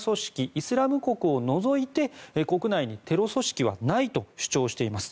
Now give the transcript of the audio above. イスラム国を除いて国内にテロ組織はないと主張しています。